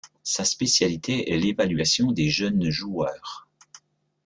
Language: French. Sa spécialité est l'évaluation des jeunes joueurs.